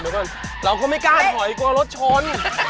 แล้วก็เราก็ไม่กล้าถอยกลัวรถชน